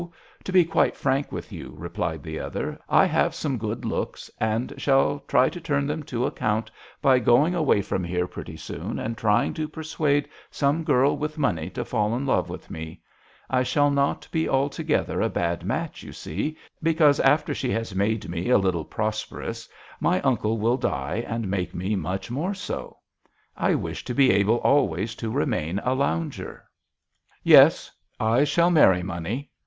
To be quite frank with you," replied the other, " I have some good looks and shall try to turn them to account by going away from here pretty soon and trying to persuade some girl with money to fall in love with me. I shall not be altogether a bad match, you see, because after she has made me a little pros perous my uncle will die and make me much more so. I wish to be able always to remain a lounger. Yes, I shall marry money.